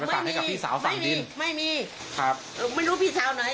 ไปฝากให้กับพี่สาวฝั่งดินไม่มีไม่มีครับไม่รู้พี่สาวไหน